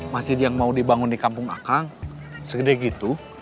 masjid yang mau dibangun di kampung akang segede gitu